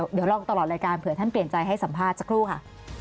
เดี๋ยวลองตลอดรายการเผื่อท่านเปลี่ยนใจให้สัมภาษณ์สักครู่ค่ะ